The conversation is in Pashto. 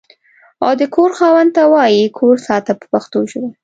او د کور خاوند ته وایي کور ساته په پښتو ژبه.